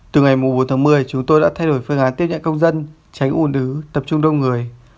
từ ngày bốn tháng một mươi chúng tôi đã thay đổi phương án tiếp nhận công dân tránh ủn ứ tập trung đông người